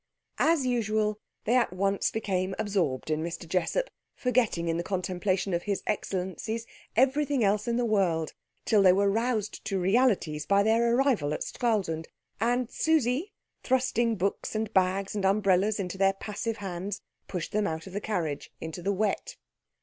As usual, they at once became absorbed in Mr. Jessup, forgetting in the contemplation of his excellencies everything else in the world, till they were roused to realities by their arrival at Stralsund; and Susie, thrusting books and bags and umbrellas into their passive hands, pushed them out of the carriage into the wet.